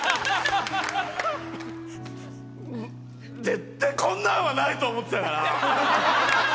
絶対こんなんはないと思ってたから。